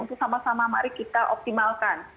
untuk sama sama mari kita optimalkan